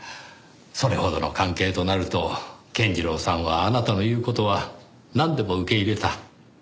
それほどの関係となると健次郎さんはあなたの言う事はなんでも受け入れた。